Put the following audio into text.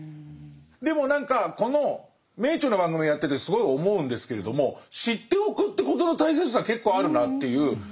でも何かこの「名著」の番組やっててすごい思うんですけれども「知っておく」ということの大切さ結構あるなっていう。